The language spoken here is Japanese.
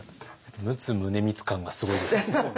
陸奥宗光感がすごいですよ。